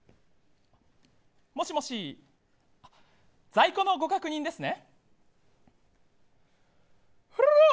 もしもし在庫のご確認ですね。